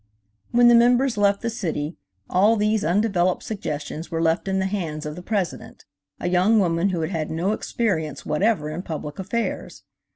When the members left the city, all these undeveloped suggestions were left in the hands of the President, a young woman who had had no experience whatever in public affairs.